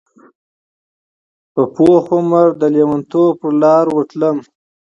په پوخ عمر د جنون پرلاروتلمه